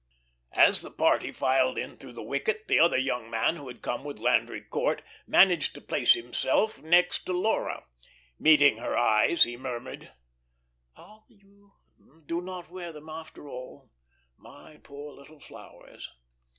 As the party filed in through the wicket, the other young man who had come with Landry Court managed to place himself next to Laura. Meeting her eyes, he murmured: "Ah, you did not wear them after all. My poor little flowers."